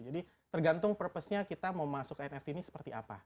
tergantung purpose nya kita mau masuk nft ini seperti apa